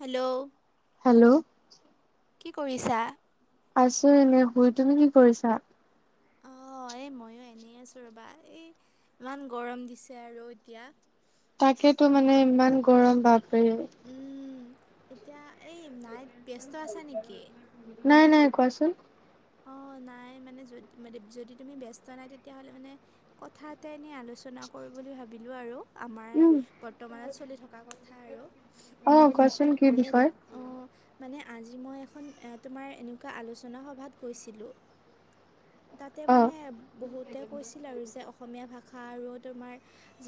Hello! Hello! কি কৰিছা? আছো এনেই শুই। তুমি কি কৰিছা? অঁ-হ হ'য়, ময়ো এনেইআছো ৰ'বা। এই ইমান গৰম দিছে আৰু এতিয়া। তাকেইেটো মানে ইমান উম, গৰম। বাপৰে উম। এতিয়া, এই নাইট, ব্যস্ত আছে নেকি? নাই নাই কোৱাচোন? অঁ, নাই মানে, য মানে যদি তুমি ব্যস্ত নাই তেতিয়া হ'লে মানে, কথা এটা এনেই আলোচ না কৰো বুলি ভাৱিলোঁ আৰু আমাৰ উম বৰ্তমানত চলি থকা কথা আৰু। অঁ, কোৱাচোন কি এ বিষয়? অঁ মানে, আজি মই এখন এ তোমাৰ এনেকুৱা আলোচনা সভাত গৈছিলোঁ। তাতে অ মানে, বহুতে কৈছিল আৰু যে অসমীয়া ভাষা ষা আৰু তোমাৰ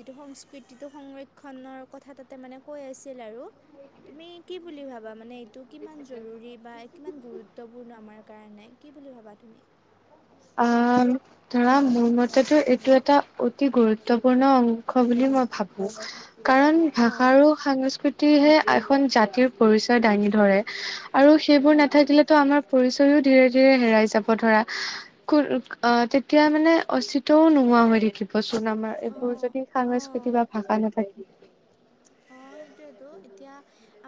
যিটো সংস্কৃতিটো, সংৰক্ষণৰ কথা তাতে মানে, কৈ আছিল আৰু। তুমি কি বুলি ভাৱা? মানে এইটো কিমান জৰুৰী বা কিমান গুৰুত্বপূৰ্ণ আমাৰ কাৰণে। কি বুলি ভাৱা তুমি? অঁ, ধৰা মোৰ মতেটো এইটো এটা অতি গুৰুত্বপূৰ্ণ অংশ বুলি মই ভাৱো। কাৰণ অ ভাষা আৰু সাংস্কৃতিয়েহে এখন জাতিৰ পৰিচয় দাঙি ধৰে। আৰু সেইবোৰ উম নাথাকিলেতো আমাৰ পৰিচয়ও ধীৰে ধীৰে হেৰাই যাব ধৰা অ তেতিয়া মানে অচিতও নোহোৱা হৈ থাকিব আমাৰ অ এইবোৰ যদি সংস্কৃতি বা ভাষা নাথাকে। অ সেইটোয়েতো এতিয়া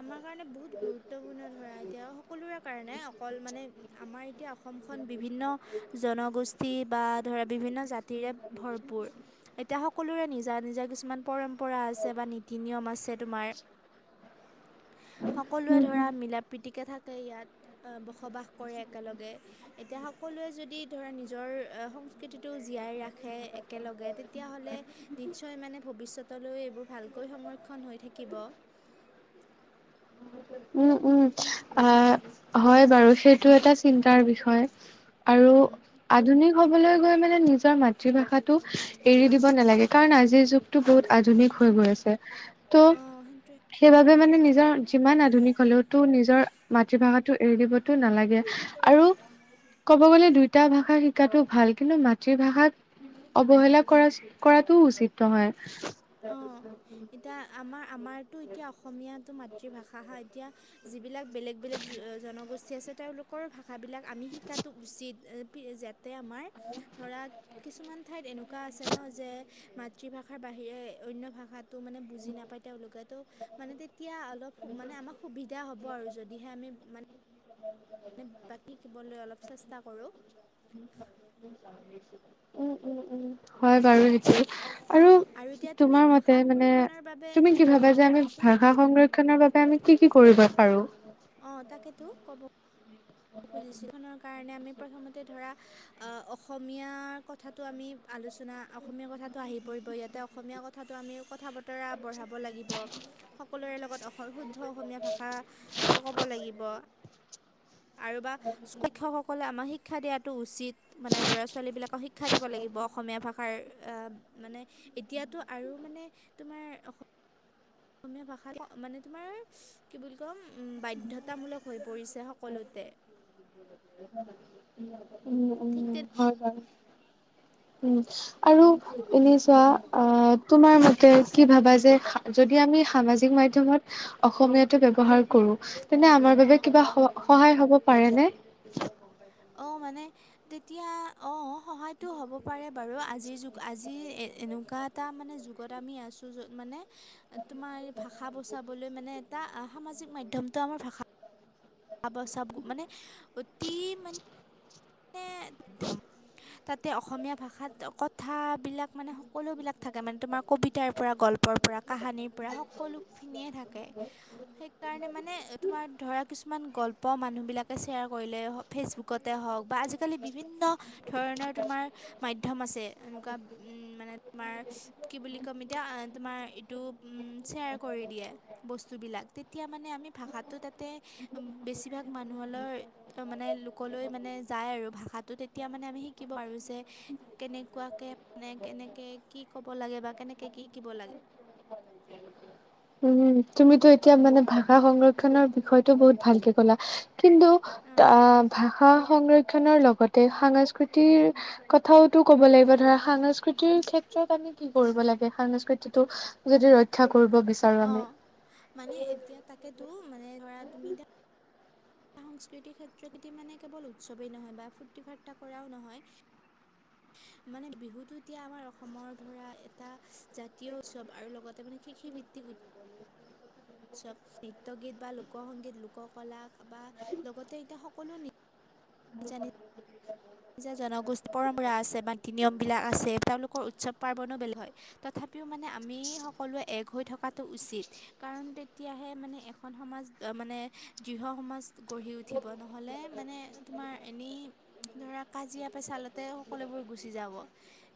আমাৰ কাৰণে বহুত গুৰুত্বপূৰ্ণ ধৰা এতিয়া সকলোৰে এ বিভিন্ন জাতিৰে ভৰপূৰ এতিয়া সকলোৰে নিজা নিজা কিছুমান পৰম্পৰা আছে বা ন নিয়ম আছে তোমাৰ সকলোৰে উম উম ধৰা মিলা প্ৰীতিকে থাকা ইয়াত বসবাস কৰে একেলগে এতিয়া সকলোৱে যদি ধৰা নিজৰ সংস্কৃতিটো জীয়াই ৰাখে একেলগে তেতিয়া হ'লে নিশ্চয় মানে ভৱিষ্যতলৈ এইবোৰ ভাল সংৰক্ষণ হৈ থাকিব উম উম আহ হয় বাৰু সেইটো এটা চিন্তাৰ বিষয় আৰু উম আধুনিক হবলৈ মানে নিজৰ মাতৃভাষাটো এৰি দিব নালাগে কাৰণ আজিৰ যুগতটো বহুত আধুনিক হৈ গৈ আছে ত অঁ সেইটোৱে সেইবাবে মানে নিজৰ সেইটোৱেতো যিমান আধুনিক নিজৰ মাতৃভাষাটো এৰি দিবতো নালাগে আৰু ক'ব গ'লে দুইটা ভাষা শিকাতো ভাল কিন্তু মাতৃভাষাত অৱহেলা কৰা কৰাটো উচিত নহয় অঁ এতিয়া আমাৰ আমাৰতো এতিয়া অসমীয়াটো মাতৃভাষাহা এতিয়া বিলাক বেলেগ বেলেগ জনগোষ্ঠী আছে তেওঁলোকৰ ভাষাবিলাক আমি শিকাটো উচিত তাতে আমাৰ ধৰা কিছুমান ঠাইত এনেকুৱা আছে ন যে মাতৃভাষাৰ বাহিৰে অন্য ভাষাত মানে বুজি নাপায় তেওঁলোকে ত' মানে তেতিয়া অলপ মানে আমাক সুবিধা হ'ব আৰু যদিহে আমি মানে মানে বাকী কিবলৈ অলপ চেষ্টা কৰোঁ। উম উম উম হয় বাৰু সেইটো অ আৰু এতিয়া তুমি তোমাৰ মতে ভাষা মানে সংৰক্ষণৰ বাবে তুমি কি ভাবা অঁ যে আমি কোৱাচোন ভাষা সংৰক্ষনৰৰ বাবে আমি কি কি কৰিব পাৰো। অ তাকেতো কব। কাৰণে আমি প্ৰথমতে ধৰা আহ অসমীয়াৰ কথাটো আমি আলোচনা অসমীয়া কথাটো আহি পৰি ই অসম কথাটো আমিথা বতৰা বঢ়াব লাগিব সকলোৰে লগত শুদ্ধ অসমীয়া ভাষা ক'ব লাগিব। অ আৰু বা শিক্ষকসকলে আমাক শিক্ষা দিয়াটো উচিত মানে ল'ৰা ছোৱালী বিলাক শিক্ষা দিব লাগিব অসমীয়া ভাষাৰ মানে এতিয়াতো আৰু মানে তোমাৰ অসমীয়া ভাষা মানে তোমাৰ কি বুলি কম। বাধ্যতামূলক হৈ পৰিছে সকলোতে উম উম ঠিক তেনে হয় হয় উম আৰু এনে চোৱা অ তোমাৰ ম কি ভাবা যে যদি আমি সামাজিক মাধ্যমত অসমীয়াটো ব্যৱহাৰ কৰো। তেনে আমাৰ বাবে অ', কিবা স সহায় হ'ব পাৰে ন অ মানে তেতিয়া অ সহায়তো হ'ব পাৰে বাৰু আজিৰ যুগ আজি এ এনেকুৱা এটা মানে যুগত আমি আছোঁ য'ত মানে তোমাৰ ভাষা বচাবলৈ মানে এটা সামাজিক মাধ্যমটো আমাৰ ভাষা আ চব মানে অতি মানে মে ধ তাতে অসমীয়া ভাষাত কথাবিলাক মানে সকলো বিলাক থাকে মানে তোমাৰ কবিতাৰ পৰা গল্প পৰা কাহানিৰ পৰা সকলোখিনিয়ে থাকে সেইকাৰণে মানে তোমাৰ ধৰা কিছুমান গল্প মানুহবিলাকে শ্বেয়াৰ কৰিলে ফেচবুকতে হওক। বা আজিকালি বিভিন্ন ধৰণৰ তোমাৰ মাধ্যম আছে এনেকুৱা মানে তোমাৰ কি বুলি ক'ম এতিয়া তুমাৰ এইটো উম শ্বেয়াৰ কৰি দিয়ে বস্তু বিলাক তেতিয়া আ ভাষাটো তাতে বেছিভাগ মানুহলৈ মানে লোকলৈ যায় আৰু ভাষাটো তেতিয়া মানে আমি শিকিব পাৰো যে কেনেকুৱাকৈ মানে কেনেকৈ কি? ক'ব লাগে বা কেনেকে কি [unintelligible] লাগে। উম। তুমটো এতিয়া মানে ভাষা সংৰক্ষণ বিষয়টো বহুত ভালকে কলা কিন্তু অ ভাষা সংৰক্ষণৰ লগতে সংস্কৃতিৰ কথাওতো ক'ব লাগিব ধৰা সংস্কৃতিৰ ক্ষেত্ৰত আমি কি কৰিব লাগে সংস্কৃতিতটো যদি ৰক্ষা কৰিব বিচাৰো অ আমি। মানে এতিয়া তাকেতো মানে ধৰা তুমি তিয়া সংস্কৃতিৰ ক্ষেত্ৰত এতি মানে কেৱল উৎসৱেই নহয় বা ফূৰ্তি ফাৰ্তা কৰাও নহয়। [unintelligible] মানে বিহুতটো এতিয়া আমাৰ অসমৰ ধৰা এটা জাতীয় উৎসৱ আৰু লগতে মানে কৃষিভিত্তিক চব নৃত্য গীত বা লোক সংগীত লোক কলা বা লগতে এতিয়া সকলো নিজানি নিজা জনগোষ্ঠী পৰম্পৰা আছে বাকি নিয়মবিলাক আছে তেওঁলোকৰ উৎসৱ পাৰ্বণো বেলেগ হয় তথা তথাপিও মানে আমি সকলোৱে এক হৈ থকাটো উচিত কাৰণ তেতিয়াহে মানে এখন সমাজ মানে দৃঢ় সম গঢ়ি উঠিব নহ'লে মানে তোমাৰ এনেই ধৰা কাজিয়া পেচালতে সকলোবোৰ গুচি যাব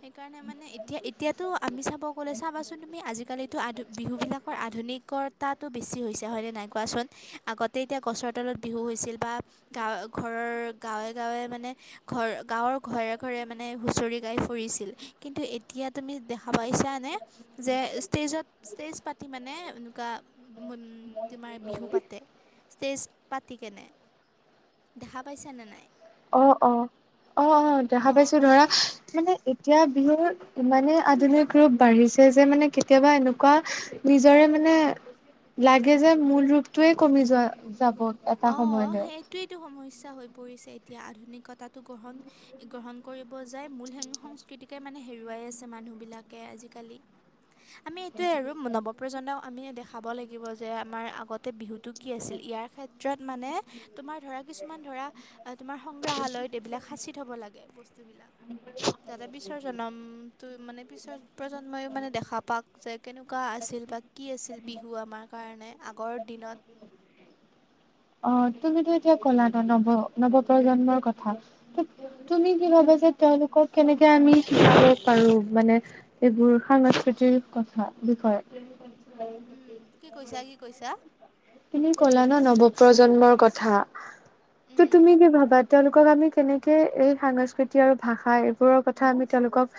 সেইকাৰণে মানে এতিয়া এতিয়াতো আমি। লে চাবাচোন তুমি আজিকালিতো বিহু বিলাকৰ আধুনিকতাটো বেছি হৈছে হয় নে নাই কোৱা চোন। আগতে এতিয়া গছৰ তলত বিহু হৈছিল বা গাঁৱ ঘৰৰ গাঁৱে গাঁৱে মানে। ঘৰ গাঁৱৰ ঘৰে ঘৰে মানে হুচৰি গাই ফুৰিছিল কিন্তু এতিয়া তুমি দেখা পাই। [unintelligible] নে যে ষ্টেজত ষ্টেজ পাতি মানে এনেকুৱা তোমাৰ বিহু পাতে ষ্টেজ পাতি কেনে। দেখা পাইছা নে নাই? অ', অ', অ', অ' দেখা অঁ পাইছো ধৰা মানে এতিয়া বিহুৰ ইমানে আধুনিক ৰূপ বাঢ়িছে যে মানে কেতিয়াবা এনেকুৱা নিজৰে মানে লাগে যে মূল ৰূপটোৱে কমি যোৱা যাব এটা অঁ সময়লৈ। সেইটোৱেইটো হৈ সমস্যা পৰিছে এতিয়া আধুনিকতো গ্ৰহণ-গ্ৰহণ কৰিব যায় মূল সে সংস্কৃতিকে মানে হেৰুৱাই আছে মানুহবিলাকে আজিকালি। আমি এইটোয়ে আৰু নৱপ্ৰজন্মক আমিয়ে দেখাব লাগিব যে আমাৰ আগত বিহুটো কি আছিল ইয়াৰ ক্ষেত্ৰত মানে তোমাৰ ধৰা কিছুমান ধৰা তোমাৰ সংগ্ৰাহালয়ত এইবিলাক সাঁচি থ'ব লাগে বস্তুবিলাক। যাতে পিছৰ জন্মটো মানে পিছৰ প্ৰজন্মইও মানে দেখা পাও যে কেনেকুৱা আছিল বা কি আছিল বিহু আমাৰ কাৰণে আগৰ দিনত। অ' তুমিতো এতিয়া কলা ন নৱ-নৱ প্ৰজন্মৰ কথা তুমি কি ভাবা উম যে তেওঁলোকক কেনেকে আমি শিকাব পাৰো মানে এইবোৰ সাংস্কৃতিৰ কথা বিষয়ে উম কি কৈছা কি কৈছা? তুমি ক'লা ন নৱপ্ৰজন্মৰ কথা ত উম তুমি কি ভাবা তেওঁলোকক আমি কেনেকে এই সংস্কৃতি আৰু ভাষা এইবোৰৰ কথা আমি তেওঁলোকক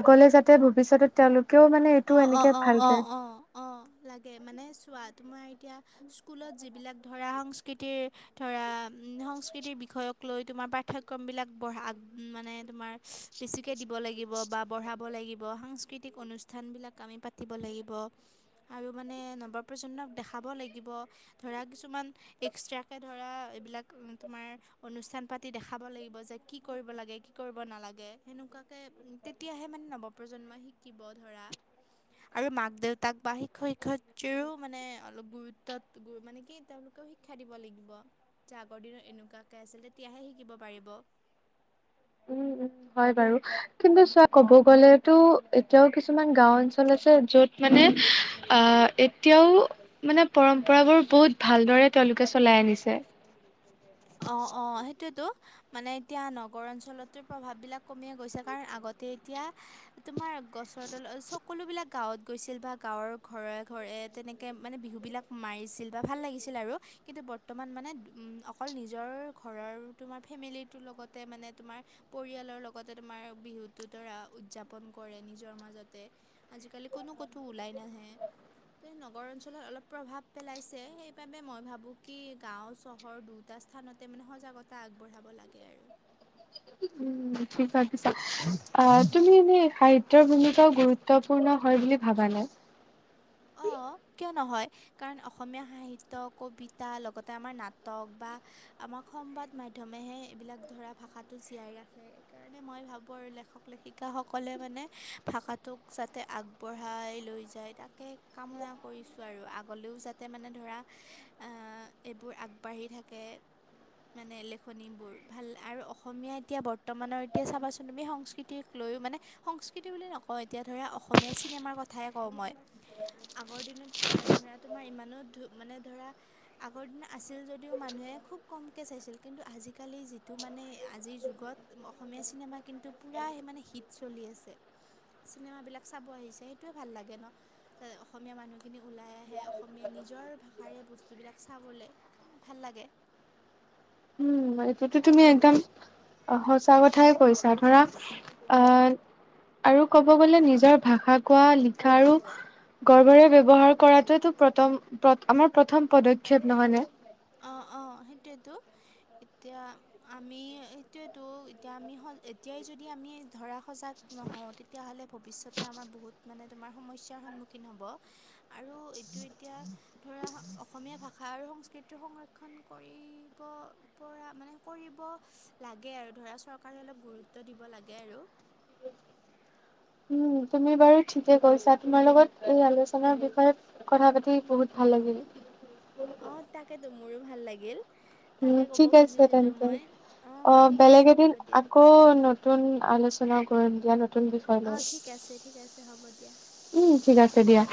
আগলে যাতে ভৱিষ্যতত তেওঁলোক কিও মানে অ', এইটো অ', এনেকে অ', ভালকে অ', অ', অ', লাগে মানে চোৱা তোমাৰ এতিয়া স্কুলত যিবিলাক ধৰা সংস্কৃতিৰ ধৰা উ সংস্কৃতিৰ বিষয়ক লৈ তোমাৰ পাঠ্যক্ৰমবিলাক [unintelligible] মানে তোমাৰ বেছি দিব লাগিব বা বঢ়াব লাগিব সাংস্কৃতিক অনুষ্ঠান স্থানবিলাক আমি পাতিব লাগিব আৰু মানে নৱপ্ৰজন্মক দেখাব লাগিব ধৰা কিছুমান এক্সট্ৰাকে ধৰা এইবিলাক তোমাৰ অনুষ্ঠান পাতি দেখাব লাগিব যে, কি কৰিব লাগে কি কৰিব নালাগে সেনেকুৱাকে তেতিয়াহে মানে নৱপ্ৰজন্মই শিকিব। ধৰা আৰু মাক-দেউতাক বা শিক্ষয়-শিক্ষয়িত্ৰীৰো মানে অলপ গুৰুত্বত মানে কি তেওঁলোকে শিক্ষা দিব লাগিব, যে আগৰ দিনত এনেকুৱাকে আছিলে তেতিয়াহে শিকিব পাৰিব। [inaudible] উম উম হয় বাৰু কিন্তু উম চোৱা কব উম গ'লেতো এতিয়াও কিছুমান গাওঁ অঞ্চল আছে য'ত মানে আহ এতিয়াও মানে পৰম্প ককৰাবোৰ বহুত ভালদৰে তেওঁলোকে চলাই আনিছে অ', অ' সেই তো মানে এতিয়া নগৰ অঞ্চলতো প্ৰভাৱ বিলাক কমিয়ে গৈছে কাৰণ আগতে এতিয়া তোমাৰ গছৰ তলত সকলো বিলাক গাঁৱত গৈছিল বা গাঁৱৰ ঘৰে-ঘৰে তেনেকে মানে বিহু সেই বিলাক মাৰিছিল বা ভাল লাগিছিল আৰু কিন্তু বৰ্তমান মানে অকল নিজৰ ঘৰৰ তোমাৰ ফেমিলিটোৰ লগতে মানে তোমাৰ পৰিয়ালৰ লগতে তোমাৰ বি [unintelligible] উদযাপন কৰে নিজৰ মাজতে আজিকালি কোনো কতো ওলাই নাহে। তে নগৰ অঞ্চলত অলপ প্ৰভাৱ পেলাইছে সেইবাবে মই ভাবো কি গাওঁ চহৰ দুট দুটা স্থানতে মানে সজাগতা আগবঢ়াব লাগে আৰু। কি ভাবিছা অ' উম তুমি এনেই সাহিত্যৰ ভূমিকাও গুৰুত্ব গুৰুত্বপূৰ্ণ হয় বুলি ভাবানে? অঁ, কিয় নহয়? সেইকাৰণে অসমীয়া সাহিত্য, কবিতা লগতে আমাৰ নাটক বা আমাক সংবাদ মাধ্যম মাধ্যমেহে এইবিলাক ধৰা ভাষাটো জীয়াই ৰাখে সেইকাৰণে মই ভাবোঁ আৰু লেখক-লেখিকাসকলে মানে মানে ভাষাটোক যাতে আগবঢ়াই লৈ যায় তাকে কামনা কৰিছোঁ আৰু আগলৈও যাতে মানে ধৰা এইবোৰ আগবাঢ়ি থাকে। [inaudible] মানে লেখনিবোৰ ভাল আৰু অসমীয়া এতিয়া বৰ্তমানৰ এতিয়া চাবাচোন তুমি সংস্কৃতিক লৈ মানে সংস্কৃতি বুলি নকওঁ এতিয়া ধৰা অসমীয়া চিনেমাৰ কথাই কওঁ মই আগৰ দিনত এ ধৰা তোমাৰ ইমানো ধু মানে ধৰা আগৰ দিন আছিল যদিও মানুহে খুব কমকৈ চাইছিল কিন্তু আজিকালি যিটো মানে আজিৰ যুগত অসমীয়া চিনেমা কিন্তু পুৰা হিট চলি আছে চিনেম বিলাক চাব আহিছে সেইটোয়ে ভাল লাগে ন অসমীয়া মানুহখিনি ওলাই আহে অসমীয়া নিজৰ ভাষাৰে বস্তুবিলাক চাবলৈ ভাল লাগে। [unintelligible] উম সেইটো তুমি একদম আহ সঁচা কথাই কৈছা ধৰা আহ আৰু কব গ'লে নিজৰ ভাষা কোৱা লিখা আৰু গৰ্ভৰে ব্যৱহাৰ কৰাটোটো প্ৰথম আমাৰ প্ৰথম পদক্ষেপ নহয় ন। অঁ অঁ সেইটোয়েতো এতিয়া আমি সেইটোয়েতো এতিয়া আমি এতিয়াই যদি আমি ধৰা সজাগ নহওঁ তেতিয়াহ'লে ভৱিষ্যতে আমাৰ বহুত মানে তোমাৰ সমস্যাৰ সন্মুখীন হ'ব আৰু এইটো এতিয়া অসমীয়া ভাষা আৰু সংস্কৃতি কৰিব পৰা মানে কৰিব লাগে আৰু ধৰা চৰা কাৰণে গুৰুত্ব দিব লাগে আৰু। উ তুমি বাৰু ঠিকে কৈছা তোমাৰ লগত এই আলোচনাৰ বিষয়ে কথা পাতি বহুত ভাল লাগিল। অঁ তাকেতো মোৰো ভাল লাগিল। উম তাকে ক'ব ঠিক আছে খুজিছিলোঁ তেন্তে মই অঁ অ ঠিক বেলেগ আছে হ'ব এদিন দিয়া আকৌ নতুন আলোচনা [unintelligible] নতুন বিষয় অঁ লয় ঠিক আছে ঠিক আছে হ'ব দিয়া উম ঠিক আছে দিয়া।